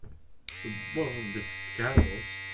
Tewweḍ-d s tkeṛṛust.